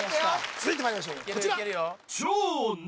続いてまいりましょうこちら